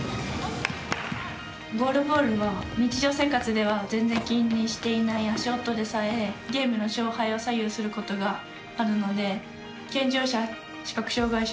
ゴールボールは日常生活では全然、気にしていない足音でさえゲームの勝敗を左右することがあるので健常者、視覚障がい者